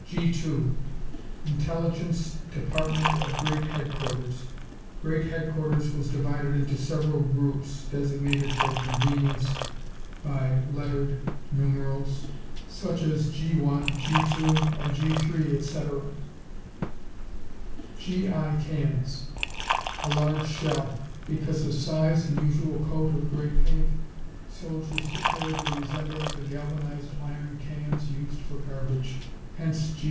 G 2 Intelligence Department of Great Headquarters. Great Headquarters was divided into several groups, designated, for convenience, by lettered numerals, such as G 1, G 2 and G 3, etc. G.I. cans A large shell. Because of size and usual coat of grey paint, soldiers declared they resembled the galvanized iron cans used for garbage. Hence, G.